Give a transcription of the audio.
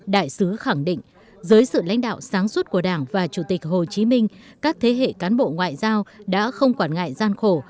đại sứ khẳng định dưới sự lãnh đạo sáng suốt của đảng và chủ tịch hồ chí minh các thế hệ cán bộ ngoại giao đã không quản ngại gian khổ